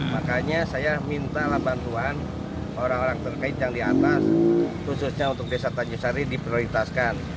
makanya saya mintalah bantuan orang orang terkait yang di atas khususnya untuk desa tanjung sari diprioritaskan